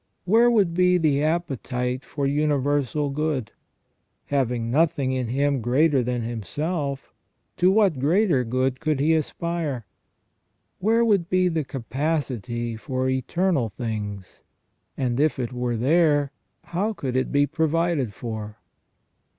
Where would be the appetite for universal good ? Having nothing in him greater than himself, to what greater good could he aspire ? Where would be the capacity for eternal things? And if it were there, how could it be provided for?